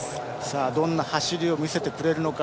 どんな走りを見せてくれるのか